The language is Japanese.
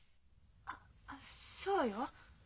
あっそうよ。